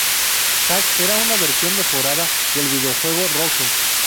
Hack era una versión mejorada del videojuego Rogue.